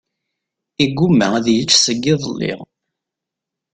Iguma ad yečč seg iḍelli.